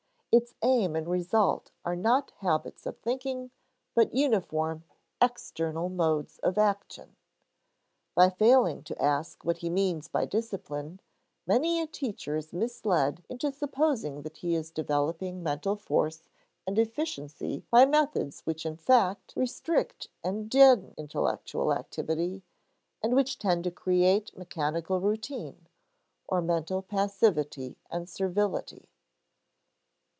Its aim and result are not habits of thinking, but uniform external modes of action. By failing to ask what he means by discipline, many a teacher is misled into supposing that he is developing mental force and efficiency by methods which in fact restrict and deaden intellectual activity, and which tend to create mechanical routine, or mental passivity and servility.